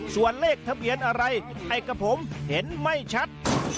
ส่วนเลขทะเบียนอะไรให้กับผมเห็นไม่ชัด